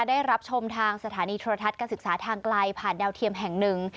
ได้รับชมทางสถานีโทรทัศน์การศึกษาทางไกลผ่านดาวเทียมแห่งหนึ่ง